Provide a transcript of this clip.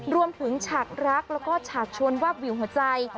ฉากรักแล้วก็ฉากชวนวาบวิวหัวใจ